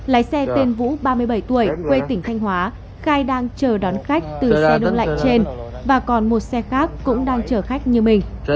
lái xe tên vũ ba mươi bảy tuổi quê tỉnh thanh hóa khai đang chờ đón khách từ xe đông lạnh trên và còn một xe khác cũng đang chở khách như mình